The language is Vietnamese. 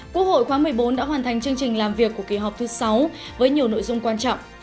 quốc hội khóa một mươi bốn đã hoàn thành chương trình làm việc của kỳ họp thứ sáu với nhiều nội dung quan trọng